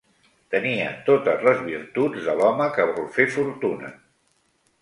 Tenia totes les virtuts de l'home que vol fer fortuna